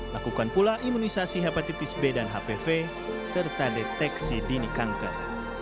lakukan pula imunisasi hepatitis b dan hpv serta deteksi dini kanker